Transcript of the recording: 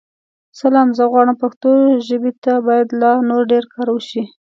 سلام؛ زه غواړم پښتو ژابې ته بايد لا نور ډير کار وشې.